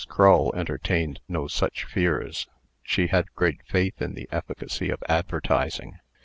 Crull entertained no such fears. She had great faith in the efficacy of advertising.